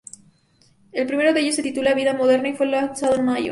El primero de ellos se titula "Vida Moderna", y fue lanzado en mayo.